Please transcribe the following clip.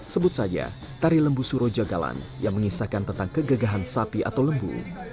sebut saja tari lembu suro jagalan yang mengisahkan tentang kegagahan sapi atau lembu